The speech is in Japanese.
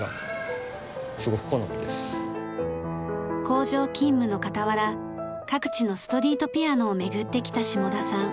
工場勤務の傍ら各地のストリートピアノを巡ってきた霜田さん。